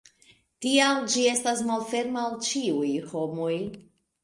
Tial ĝi estas malferma al ĉiuj homoj.